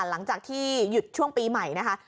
หลังจากที่หยุดช่วงปีใหม่นะคะ